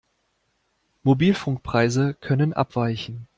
Mobilfunkpreise können abweichen.